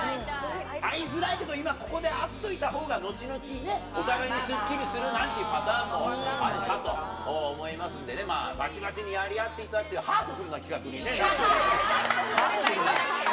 会いづらいけど、今ここで会っておいたほうが後々、お互いにすっきりするなというパターンもあるかと思いますんでね、まあ、ばちばちにやり合っていただくという、ハートフルな企画となっております。